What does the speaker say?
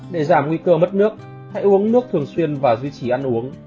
để giảm nguy cơ mất nước hãy uống nước thường xuyên và duy trì ăn uống